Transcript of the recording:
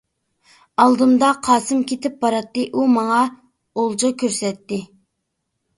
ئالدىمدا قاسىم كېتىپ باراتتى ئۇ ماڭا ئولجا كۆرسەتتى.